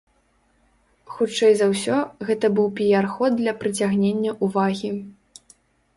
Хутчэй за ўсё, гэта быў піяр-ход для прыцягнення ўвагі.